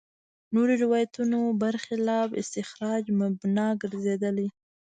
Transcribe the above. نورو روایتونو برخلاف استخراج مبنا ګرځېدلي.